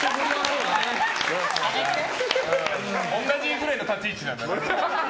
同じぐらいの立ち位置なんだ。